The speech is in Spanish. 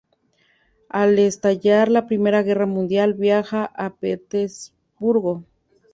Al estallar la primera guerra mundial viaja a Petersburgo.